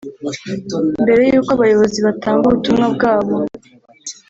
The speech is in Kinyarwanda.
Mbere y’uko abayobozi batanga ubutumwa bwabo